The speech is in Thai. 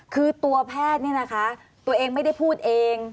คือตัวแพทย์เนี่ยนะคะตัวเองไม่ได้พูดเอง